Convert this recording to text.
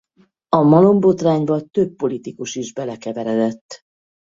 A Malom botrányba több politikus is belekeveredett.